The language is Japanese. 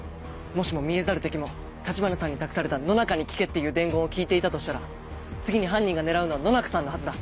もしも「見えざる敵」も橘さんに託された「野中に聞け」っていう伝言を聞いていたとしたら次に犯人が狙うのは野中さんのはずだ。